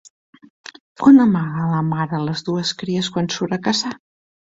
On amaga la mare les dues cries quan surt a caçar?